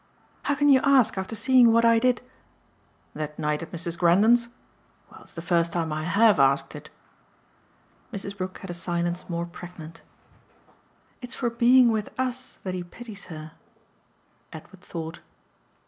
"How can you ask after seeing what I did " "That night at Mrs. Grendon's? Well, it's the first time I HAVE asked it." Mrs. Brook had a silence more pregnant. "It's for being with US that he pities her." Edward thought.